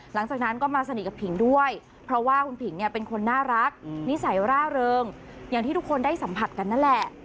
หลังจากนั้นก็มาสนิทกับผิงด้วยเพราะว่าคุณผิงเนี่ยเป็นคนน่ารักนิสัยร่าเริงอย่างที่ทุกคนได้สัมผัสกันนั่นแหละ